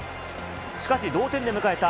しかし同点で迎えた